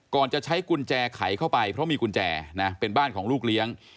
จะใช้กุญแจไขเข้าไปเพราะมีกุญแจนะเป็นบ้านของลูกเลี้ยง